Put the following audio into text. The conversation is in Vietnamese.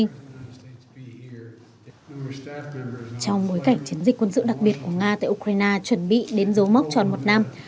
trong bối cảnh chiến dịch quân sự đặc biệt của nga tại ukraine chuẩn bị đến dấu mốc tròn một năm